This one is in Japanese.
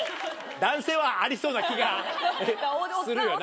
男性はありそうな気がするよな。